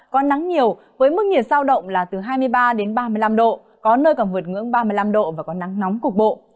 có nắng nhiều với mức nhiệt giao động là từ hai mươi ba đến ba mươi năm độ có nơi còn vượt ngưỡng ba mươi năm độ và có nắng nóng cục bộ